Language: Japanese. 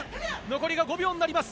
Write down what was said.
残りが５秒になります。